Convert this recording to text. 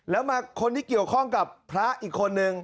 แล้วมาคนที่เกี่ยวข้องกับพระอีกคนนึง